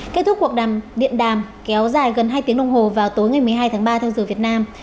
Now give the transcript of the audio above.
kết thúc cuộc đàm đàm kéo dài gần hai tiếng đồng hồ vào tối ngày một mươi hai tháng ba theo giờ việt nam